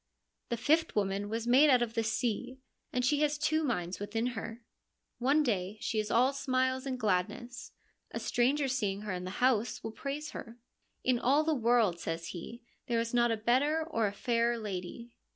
The fifth woman was made out of the sea, and she has two minds within her. One day she is all smiles and gladness. A stranger seeing her in the house will praise her. ' In all the world,' says he, ' there is not better or a fairer lady.'